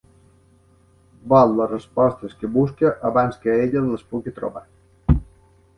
Vol les respostes que busca abans que ella les puga trobar.